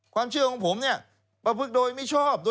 ความเชื่อของผมเนี่ยประพฤกษ์โดยไม่ชอบ